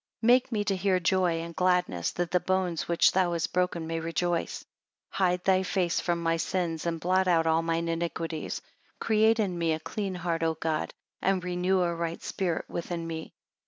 31 Make me to hear joy and gladness, that the bones which thou hast broken may rejoice. 32 Hide thy face from my sins, and blot out all mine iniquities. Create in me a clean heart O God; and renew a right spirit within me.